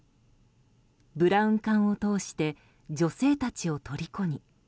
ブラウン管を通して女性たちをとりこに。